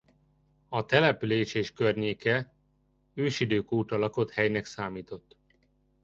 A település és környéke ősidők óta lakott helynek számított.